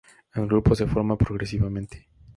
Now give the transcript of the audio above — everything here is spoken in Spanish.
El grupo se forma progresivamente.